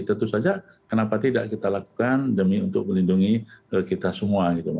tentu saja kenapa tidak kita lakukan demi untuk melindungi kita semua